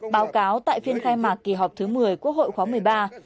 báo cáo tại phiên khai mạc kỳ họp thứ một mươi quốc hội khóa một mươi ba